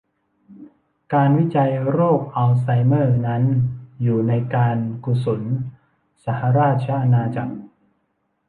การวิจัยโรคอัลไซเมอร์นั้นอยู่ในการกุศลสหราชอาณาจักร